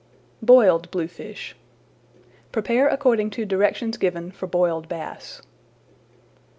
BOILED BLUEFISH Prepare according to directions given for Boiled Bass.